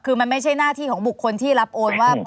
คือมันไม่ใช่หน้าที่ของบุคคลที่รับโอนว่า